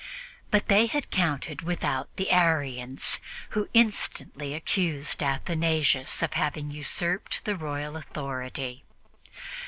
But they had counted without the Arians, who instantly accused Athanasius of having usurped the royal authority.